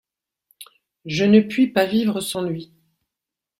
Je ne puis pas vivre sans lui.